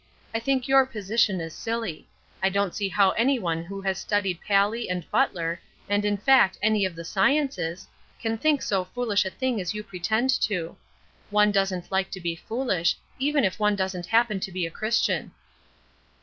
I think your position is silly. I don't see how any one who has studied Paley and Butler, and in fact any of the sciences, can think so foolish a thing as you pretend to. One doesn't like to be foolish, even if one doesn't happen to be a Christian."